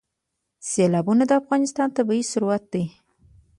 سیلابونه د افغانستان طبعي ثروت دی.